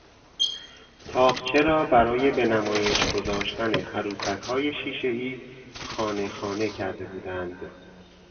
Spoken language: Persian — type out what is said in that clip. تاقچه را برای به نمایش گذاشتن عروسکهای شیشهای خانه خانه کرده بودند.